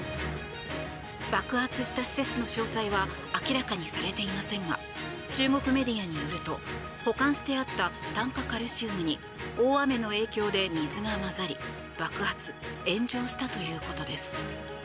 爆発した施設の詳細は明らかにされていませんが中国メディアによると保管してあった炭化カルシウムに大雨の影響で水が混ざり爆発・炎上したということです。